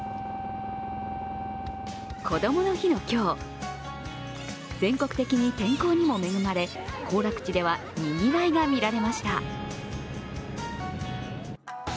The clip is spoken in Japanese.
こどもの日の今日全国的に天候にも恵まれ行楽地ではにぎわいが見られました。